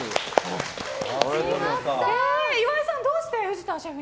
岩井さんどうして藤田シェフに？